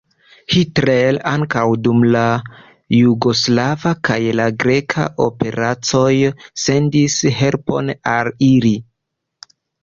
Hitler ankoraŭ dum la jugoslava kaj la greka operacoj sendis helpon al ili.